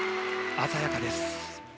鮮やかです。